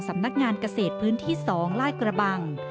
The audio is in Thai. สำนักงานเกษตรพื้นที่๒ลาดกระบัง